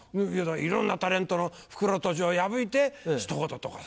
いろんなタレントの袋とじを破いてひと言とかさ。